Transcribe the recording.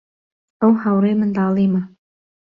ئەو هاوڕێی منداڵیمە.